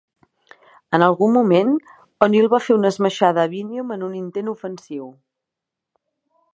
En algun moment, O'Neal va fer una esmaixada a Bynum en un intent ofensiu.